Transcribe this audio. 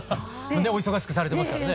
お忙しくされてますからね。